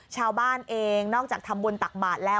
ชาวบ้านเองนอกจากทำบุญตักบาทแล้ว